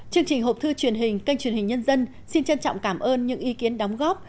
chương trình hộp thư truyền hình kênh truyền hình nhân dân xin trân trọng cảm ơn những ý kiến đóng góp